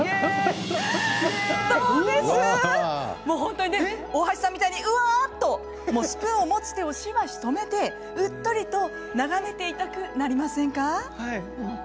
もう本当にね大橋さんみたいにうわっとスプーンを持つ手をしばし止めてうっとりと眺めていたくなりませんか？